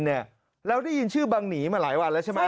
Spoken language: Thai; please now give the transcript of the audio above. เราได้ยินชื่อบังหนีมาหลายวันแล้วใช่ไหม